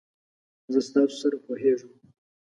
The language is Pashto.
زه ستاسو سره پوهیږم.